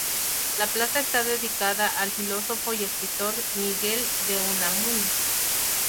La plaza está dedicada al filósofo y escritor Miguel de Unamuno.